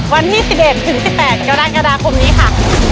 วันที่๑๑๑๘กระดาษกรรมนี้ค่ะ